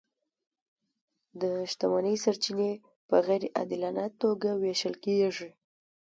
د شتمنۍ سرچینې په غیر عادلانه توګه وېشل کیږي.